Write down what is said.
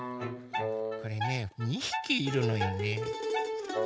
これね２ひきいるのよね。